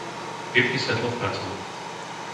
Vypni svetlo v pracovni.